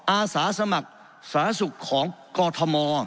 อาสสมรรถสาธารณสุขของกทม